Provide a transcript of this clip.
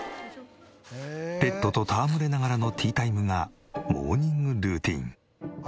ペットと戯れながらのティータイムがモーニングルーティーン。